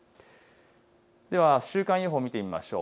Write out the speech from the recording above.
では週間予報、見てみましょう。